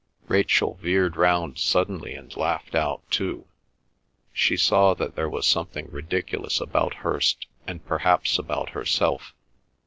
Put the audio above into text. Rachel veered round suddenly and laughed out too. She saw that there was something ridiculous about Hirst, and perhaps about herself.